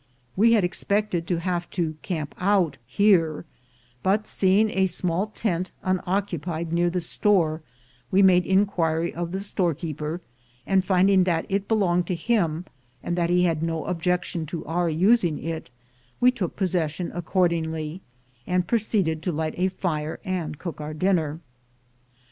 We had expected to have to camp out here, but seeing a small tent unoccupied near the store, we made inquiry of the storekeeper, and finding that it belonged to him, and that he had no objection to our using it, we took possession accordingly, and proceeded to light a fire and cook our dinner.